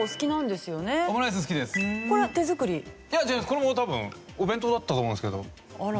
これも多分お弁当だったと思うんですけど。